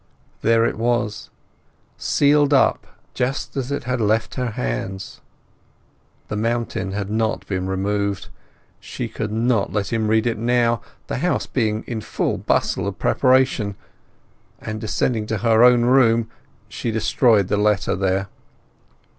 There it was—sealed up, just as it had left her hands. The mountain had not yet been removed. She could not let him read it now, the house being in full bustle of preparation; and descending to her own room she destroyed the letter there.